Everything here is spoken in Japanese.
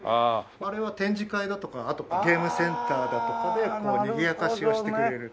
あれは展示会だとかあとゲームセンターだとかでにぎやかしをしてくれるっていう。